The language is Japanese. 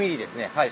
はい。